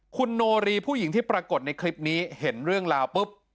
คุณโนรีผู้หญิงที่ปรากฏในคลิปนี้เห็นเรื่องราวปุ๊บ